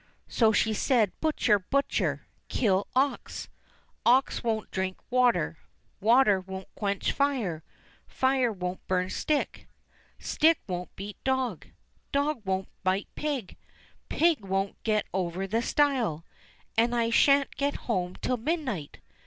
So she said, " Butcher ! butcher ! kill ox ; ox won't drink water ; water won't quench fire ; fire won't burn stick ; stick won't beat dog ; dog won't bite pig ; pig won't get over the stile ; and I shan't get home till midnight."